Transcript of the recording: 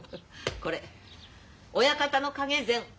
これ親方の陰膳。